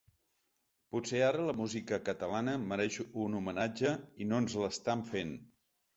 Potser ara la música catalana mereix un homenatge i no ens l’estan fent.